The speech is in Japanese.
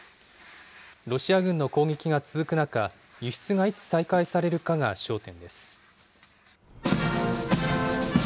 ロシア軍の攻撃が続く中、輸出がいつ再開されるかが焦点です。